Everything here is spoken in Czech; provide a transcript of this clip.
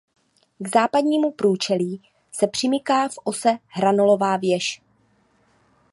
K západnímu průčelí se přimyká v ose hranolová věž.